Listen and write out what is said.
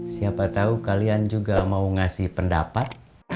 siapa tahu kalian juga mau ngasih pendapat